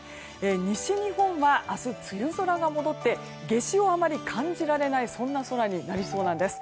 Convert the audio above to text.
西日本は明日、梅雨空が戻って夏至をあまり感じられない空になりそうなんです。